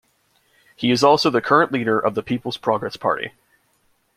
He is also the current Leader of the People's Progress Party.